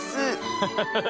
ハハハッ。